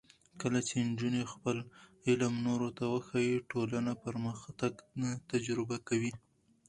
کله چې نجونې خپل علم نورو ته وښيي، ټولنه پرمختګ تجربه کوي.